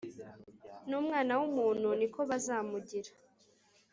N’Umwana w’umuntu ni ko bazamugira